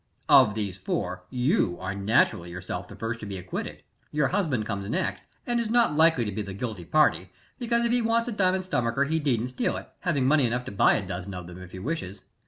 Of these four, you are naturally yourself the first to be acquitted. Your husband comes next, and is not likely to be the guilty party, because if he wants a diamond stomacher he needn't steal it, having money enough to buy a dozen of them if he wishes.